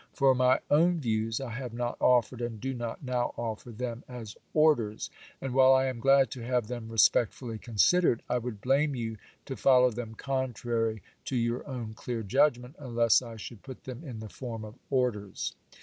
For my own views, I have not offered, and do not now offer, them as orders ; and while I am glad to have them respectfully considered, I would blame you to fol low them contrary to your own clear judgment, unless I should put them in the form of orders.